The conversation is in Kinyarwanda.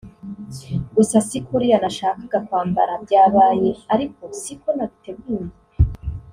gusa si kuriya nashakaga kwambara byabaye ariko siko nabiteguye